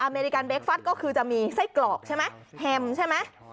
เมริกันเคฟัสก็คือจะมีไส้กรอกใช่ไหมเฮ็มใช่ไหม